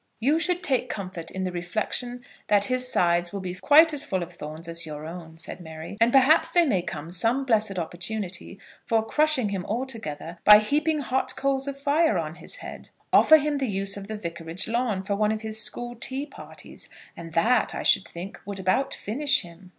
"You should take comfort in the reflection that his sides will be quite as full of thorns as your own," said Mary; "and perhaps there may come some blessed opportunity for crushing him altogether by heaping hot coals of fire on his head. Offer him the use of the Vicarage lawn for one of his school tea parties, and that, I should think, would about finish him."